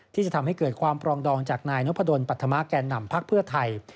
ที่จะทำให้เกิดความปรองดองจากนายนพดลปัธมะแก่นำพักเพื่อไทย